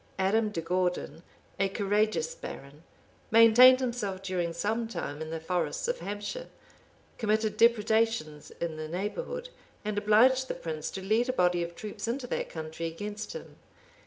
[] Adam de Gourdon, a courageous baron, maintained himself during some time in the forests of Hampshire, committed depredations in the neighborhood, and obliged the prince to lead a body of troops into that country against him.